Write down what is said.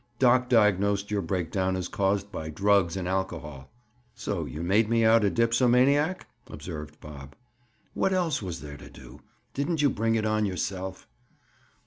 Doc diagnosed your breakdown as caused by drugs and alcohol." "So you made me out a dipsomaniac?" observed Bob. "What else was there to do? Didn't you bring it on yourself?"